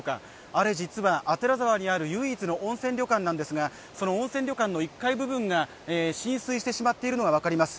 あれ、実は左沢にある唯一の温泉旅館なんですが、その温泉旅館の１階部分が浸水してしまっているのが分かります。